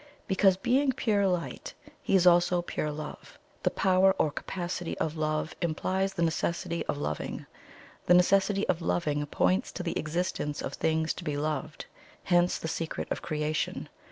Because, being pure Light, He is also pure Love; the power or capacity of Love implies the necessity of Loving; the necessity of loving points to the existence of things to be loved hence the secret of creation.